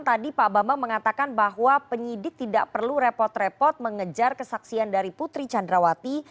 tadi pak bambang mengatakan bahwa penyidik tidak perlu repot repot mengejar kesaksian dari putri candrawati